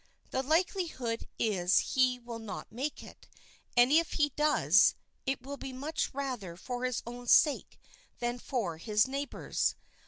The likelihood is he will not make it, and if he does, it will be much rather for his own sake than for his neighbor's.